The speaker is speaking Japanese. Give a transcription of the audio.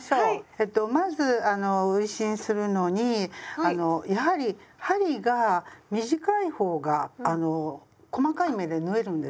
えっとまず運針するのにやはり針が短い方が細かい目で縫えるんですね。